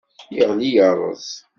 Yeɣli yerreẓ.